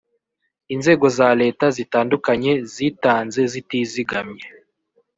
Inzego za Leta zitandukanye zitanze zitizigamye